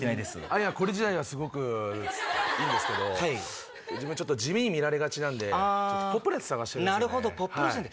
いや、これ自体はすごくいいんですけど、自分、ちょっと地味に見られがちなんで、ちょっと、ポップなやつ探してるなるほど、ポップ路線で。